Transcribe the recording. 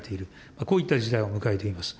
こういった時代を迎えています。